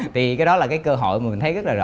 vì cái đó là cái cơ hội mà mình thấy rất là rõ